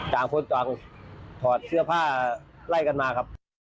ต่างคนต่างถอดเสื้อผ้าไล่กันมาครับ